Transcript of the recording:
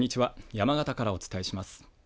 山形からお伝えします。